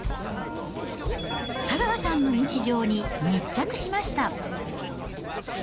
佐川さんの日常に密着しました。